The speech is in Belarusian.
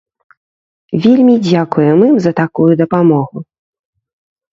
Вельмі дзякуем ім за такую дапамогу!